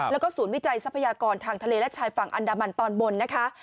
แล้วก็ศูนย์วิจัยทรัพยากรทางทะเลและชายฝั่งอันดามันตอนบนนะคะ